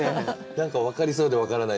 何か分かりそうで分からない。